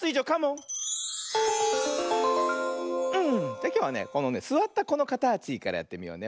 じゃきょうはねこのねすわったこのかたちからやってみようね。